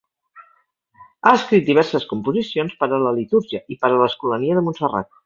Ha escrit diverses composicions per a la litúrgia i per a l'Escolania de Montserrat.